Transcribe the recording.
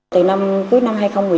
từ cuối năm hai nghìn một mươi chín